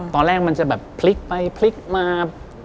ตอนแรกมันจะแบบพลิกไปพลิกมา